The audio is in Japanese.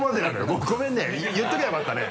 ごめんね！